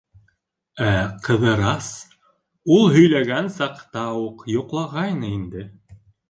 Ә Ҡыҙырас ул һөйләгән саҡта уҡ йоҡлағайны инде.